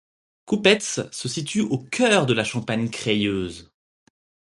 Coupetz se situe au cœur de la Champagne crayeuse.